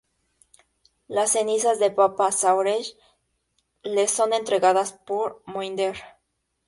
Las cenizas de "Papa Suresh" le son entregadas a Mohinder por Eden.